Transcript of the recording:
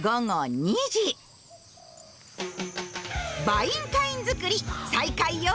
バインカイン作り再開よ！